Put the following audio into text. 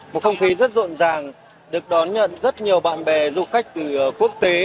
một không khí rất rộn ràng được đón nhận rất nhiều bạn bè du khách từ quốc tế